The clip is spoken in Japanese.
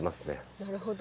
なるほど。